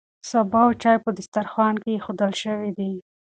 سابه او چای په دسترخوان کې ایښودل شوي دي.